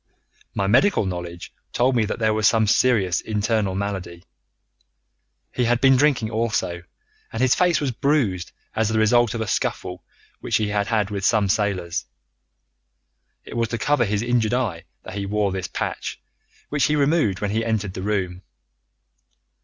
My medical knowledge told me that there was some serious internal malady. He had been drinking also, and his face was bruised as the result of a scuffle which he had had with some sailors. It was to cover his injured eye that he wore this patch, which he removed when he entered the room.